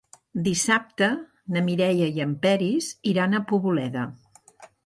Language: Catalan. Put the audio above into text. Dissabte na Mireia i en Peris iran a Poboleda.